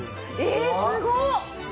ええすごっ！